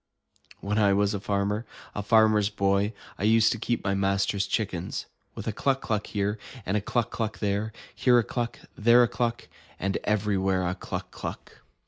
When I was a farmer, a Farmer's Boy, I used to keep my master's chickens. With a cluck cluck here, and a cluck cluck there. Here a cluck, and there a cluck. And everywhere a cluck cluck!